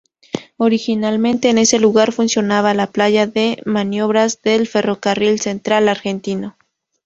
Originalmente en ese lugar funcionaba la playa de maniobras del Ferrocarril Central Argentino.